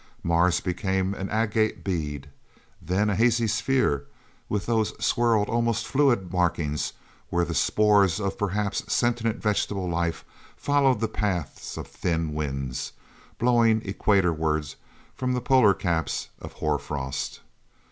Mars became an agate bead, then a hazy sphere with those swirled, almost fluid markings, where the spores of a perhaps sentient vegetable life followed the paths of thin winds, blowing equatorward from the polar caps of hoarfrost.